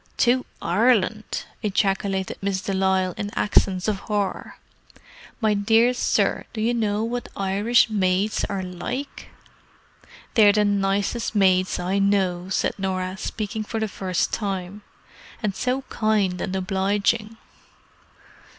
"To Ireland!" ejaculated Miss de Lisle in accents of horror. "My dear sir, do you know what Irish maids are like?" "They're the nicest maids I know," said Norah, speaking for the first time. "And so kind and obliging."